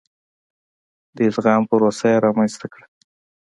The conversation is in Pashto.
د ادغام پروسه یې رامنځته کړه.